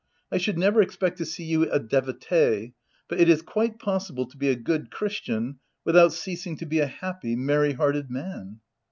I should never expect to see you a devotee, but it is quite possible to be a good christian without ceasing to be a happy, merry hearted man."